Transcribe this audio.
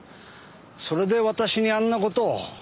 それで私にあんな事を。